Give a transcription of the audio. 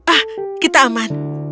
ah kita aman